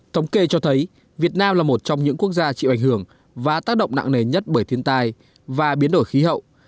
thống kê cho thấy việt nam là một trong những quốc gia chịu ảnh hưởng và tác động nặng nề nhất bởi thiên tai và biến đổi khí hậu